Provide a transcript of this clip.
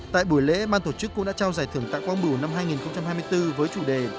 tại buổi lễ ban tổ chức cũng đã trao giải thưởng tại quang bửu năm hai nghìn hai mươi bốn với chủ đề